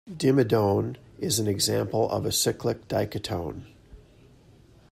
Dimedone is an example of a cyclic diketone.